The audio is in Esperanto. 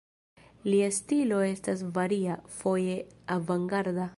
Lia stilo estas varia, foje avangarda.